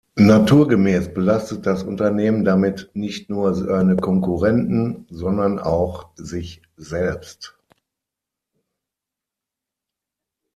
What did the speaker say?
Naturgemäß belastet das Unternehmen damit nicht nur seine Konkurrenten, sondern auch sich selbst.